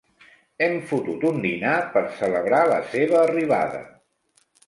Hem fotut un dinar per celebrar la seva arribada.